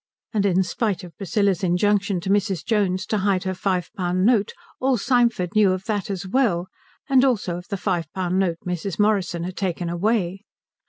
And in spite of Priscilla's injunction to Mrs. Jones to hide her five pound note all Symford knew of that as well, and also of the five pound note Mrs. Morrison had taken away.